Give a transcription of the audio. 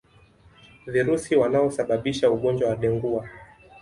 Virusi wanaosababisha ugonjwa wa dengua